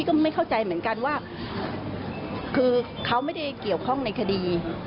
ก็ไม่เข้าใจเหมือนกันว่าคือเขาไม่ได้เกี่ยวข้องในคดี